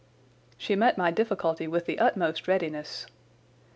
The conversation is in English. She met my difficulty with the utmost readiness.